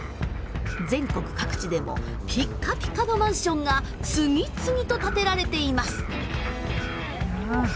全国各地でもピッカピカのマンションが次々と建てられています。